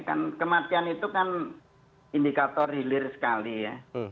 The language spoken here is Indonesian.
kan kematian itu kan indikator hilir sekali ya